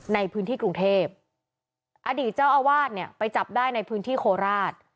ในพื้นที่กรุงเทพอดีตเจ้าอาวาสเนี่ยไปจับได้ในพื้นที่โคราช